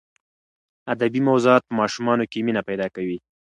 ادبي موضوعات په ماشومانو کې مینه پیدا کوي.